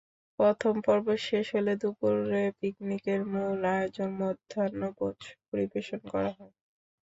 প্রথম পর্ব শেষ হলে দুপুরে পিকনিকের মূল আয়োজন মধ্যাহ্নভোজ পরিবেশন করা হয়।